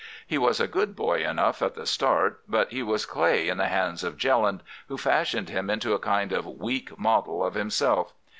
He was a good boy enough at the start, but he was clay in the hands of Jelland, who fashioned him into a kind of weak model of himself.